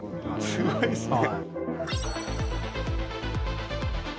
すごいですね。